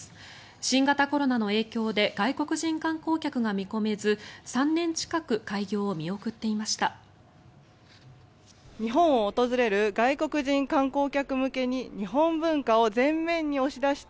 新型コロナの影響で外国人観光客が見込めず３年近く開業を見送っていました。